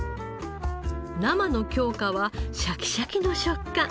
生の京香はシャキシャキの食感。